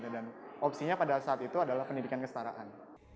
dan opsinya pada saat itu adalah pendidikan kestaraan